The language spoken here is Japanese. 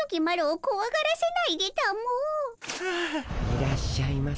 いらっしゃいませ。